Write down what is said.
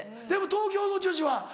でも東京の女子は？